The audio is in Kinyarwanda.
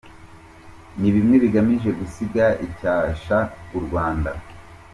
Ni bimwe bigamije gusiga icyasha u Rwanda.”